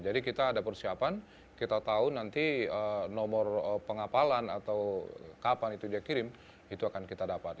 jadi kita ada persiapan kita tahu nanti nomor pengapalan atau kapan itu dia kirim itu akan kita dapat